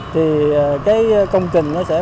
thì công trình nó sẽ hoàn thành